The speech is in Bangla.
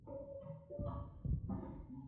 আসো আমরা আমাদের ভবিষ্যতের পানে এগিয়ে যাই।